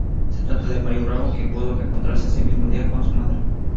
Se trata de Mario Bravo quien pudo reencontrarse ese mismo día con su madre.